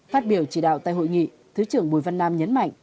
phát biểu chỉ đạo tại hội nghị thứ trưởng bùi văn nam nhấn mạnh